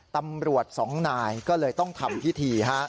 ตำรวจสองนายก็เลยต้องทำพิธีฮะ